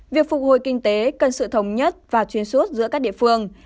việc phục hồi kinh tế cần sự thống nhất và chuyên suốt giữa các địa phương